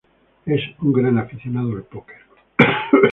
Es un gran aficionado al póker.